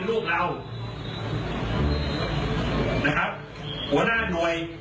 หัวหน้าหน่วย